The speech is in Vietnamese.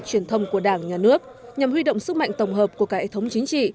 truyền thông của đảng nhà nước nhằm huy động sức mạnh tổng hợp của cả hệ thống chính trị